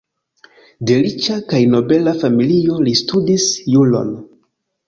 De riĉa kaj nobela familio, li studis juron.